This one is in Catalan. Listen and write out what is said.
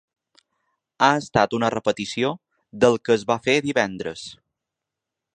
Ha estat una repetició del que es va fer divendres.